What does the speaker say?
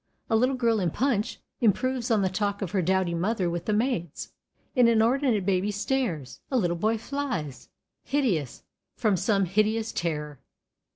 A little girl in Punch improves on the talk of her dowdy mother with the maids. An inordinate baby stares; a little boy flies, hideous, from some hideous terror.